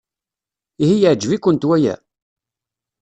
Ihi yeɛjeb-ikent waya?